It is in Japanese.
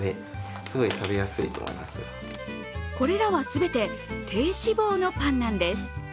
これらは全て低脂肪のパンなんです。